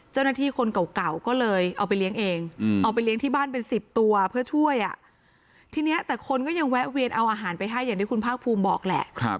เจ้าหน้าที่คนเก่าก็เลยเอาไปเลี้ยงเองเอาไปเลี้ยงที่บ้านเป็น๑๐ตัวเพื่อช่วยทีนี้แต่คนก็ยังแวะเวียนเอาอาหารไปให้อย่างที่คุณภาคภูมิบอกแหละ